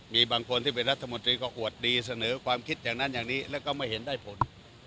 มีบางคนที่เป็นรัฐมนตรีก็อวดดีเสนอความคิดอย่างนั้นอย่างนี้แล้วก็ไม่เห็นได้ผล